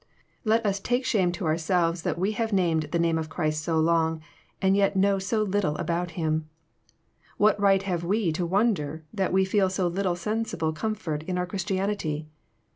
" Let us take shame to ourselves that we have named the name of Christ so long, and yet know so little about Him. What right have we to wonder that we feel so little sensible comfort in our Christianity?